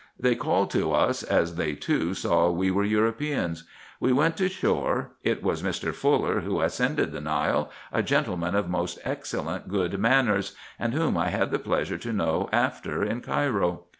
They called to us, as they, too, saw we were Europeans. We went to shore : it was Mr. Fuller, who ascended the Nile, — a gentleman of most excellent good manners, and whom I had the pleasure to know after in Cairo.